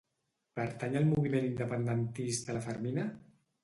Pertany al moviment independentista la Fermina?